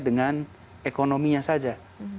dengan ekonominya saja